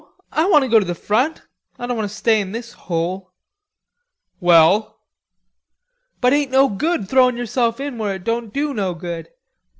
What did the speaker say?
I want to go to the front. I don't want to stay in this hole." "Well?" "But ain't no good throwin' yerself in where it don't do no good....